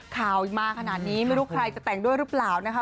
ข่าวมาขนาดนี้ไม่รู้ใครจะแต่งด้วยหรือเปล่านะคะ